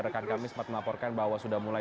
rekan kami sempat melaporkan bahwa sudah mulai